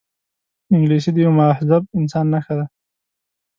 انګلیسي د یوه مهذب انسان نښه ده